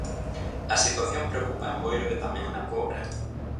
A situación preocupa en Boiro e tamén na Pobra.